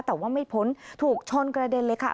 แต่ว่าไม่พ้นถูกชนกระเด็นเลยค่ะ